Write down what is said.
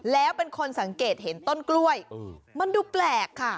แล้วเป็นคนสังเกตเห็นต้นกล้วยมันดูแปลกค่ะ